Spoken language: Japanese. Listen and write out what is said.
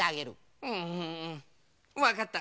うんわかった。